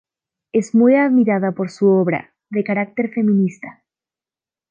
Es muy admirada por su obra, de carácter feminista.